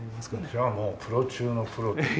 じゃあもうプロ中のプロ。